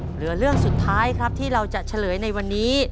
เหลือเรื่องสุดท้ายครับที่เราจะเฉลยในวันนี้